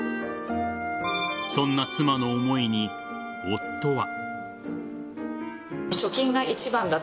そんな妻の思いに、夫は。